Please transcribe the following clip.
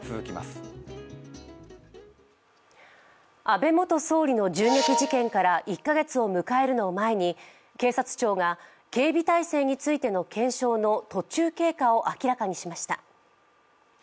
安倍元総理の銃撃事件から１カ月を迎えるのを前に警察庁が警備態勢についての検証の途中経過を明らかにしました。